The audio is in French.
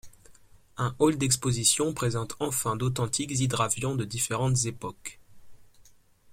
Un hall d'expositions présente enfin d'authentiques hydravions de différentes époques.